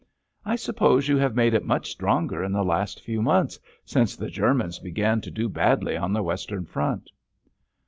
"I suppose you have made it much stronger in the last few months—since the Germans began to do badly on the Western front?"